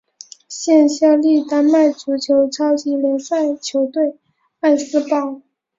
现效力丹麦足球超级联赛球队艾斯堡。